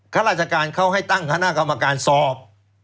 ข้าราชการเขาให้ตั้งคณะกรรมการสอบ